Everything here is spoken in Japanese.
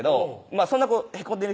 そんなへこんでる